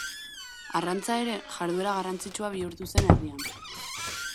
Arrantza ere jarduera garrantzitsua bihurtu zen herrian.